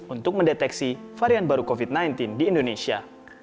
untuk mendeteksi varian baru covid sembilan belas di indonesia